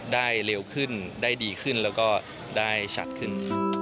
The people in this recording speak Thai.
เร็วขึ้นได้ดีขึ้นแล้วก็ได้ชัดขึ้น